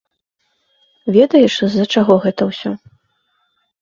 Ведаеш, з-за чаго гэта ўсё?